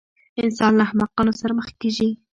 انسان له احمقانو سره مخ کېږي.